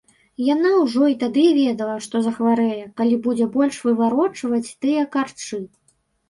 Яна ўжо і тады ведала, што захварэе, калі будзе больш выварочваць тыя карчы.